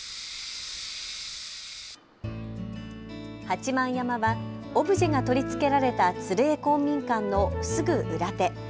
八幡山はオブジェが取り付けられた鶴枝公民館のすぐ裏手。